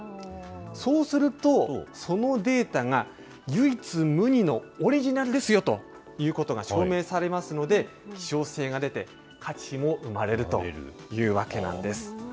そうすると、そのデータが唯一無二のオリジナルですよということが証明されますので、希少性が出て、価値も生まれるというわけなんです。